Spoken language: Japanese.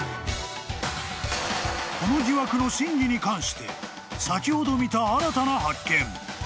［この疑惑の真偽に関して先ほど見た新たな発見］